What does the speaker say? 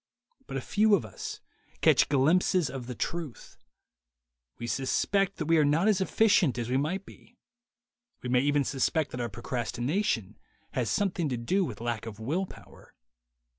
But a few of us catch glimpses of the truth; we suspect that we are not as efficient as we might be; we may even suspect that our procrastination has something to do with lack of will power.